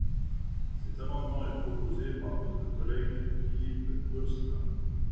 Cet amendement est proposé par notre collègue Philippe Gosselin.